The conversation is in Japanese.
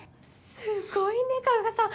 すごいね加賀さん